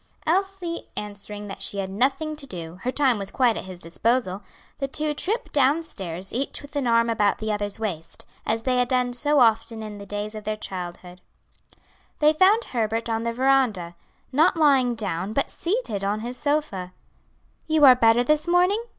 Elsie answering that she had nothing to do, her time was quite at his disposal, the two tripped downstairs, each with an arm about the other's waist, as they had done so often in the days of their childhood. They found Herbert on the veranda, not lying down, but seated on his sofa. "You are better this morning?"